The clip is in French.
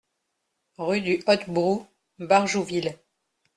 Rue du Hotbrou, Barjouville